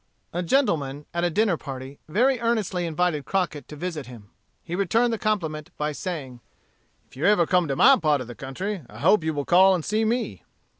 A gentleman, at a dinner party, very earnestly invited Crockett to visit him. He returned the compliment by saying: "If you ever come to my part of the country, I hope you will call and see me."